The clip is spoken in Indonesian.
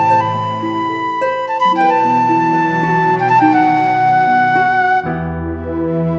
ibu aku lapar bu